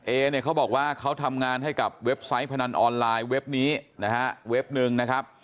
เอเนี่ยเขาบอกว่าเขาทำงานให้กับเว็บไซต์พนันออนไลน์เว็บนี้นะฮะเว็บหนึ่งนะครับ